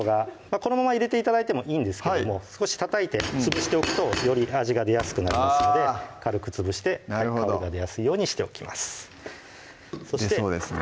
このまま入れて頂いてもいいんですけども少したたいて潰しておくとより味が出やすくなりますので軽く潰して香りが出やすいようにしておきます出そうですね